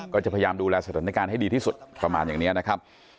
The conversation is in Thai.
ก็จะพยายามดูแลสถานการณ์ให้ดีที่สุดประมาณอย่างนี้นะครับ